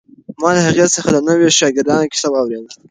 ما له هغې څخه د نویو شاګردانو کیسې واورېدې.